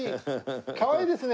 かわいいですね。